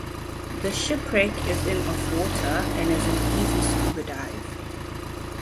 The shipwreck is in of water, and is an easy scuba dive.